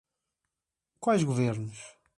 Quais governos?